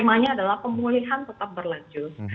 skemanya adalah pemulihan tetap berlanjut